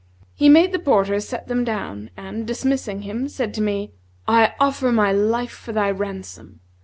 He made the porter set them down and, dismissing him, said to me, 'I offer my life for thy ransom!